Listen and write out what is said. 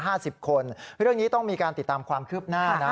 เรื่องนี้ต้องมีการติดตามความคืบหน้านะ